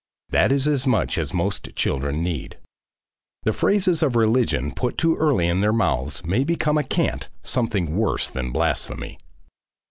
That is as much as most children need. The phrases of religion put too early into their mouths may become a cant, something worse than blasphemy.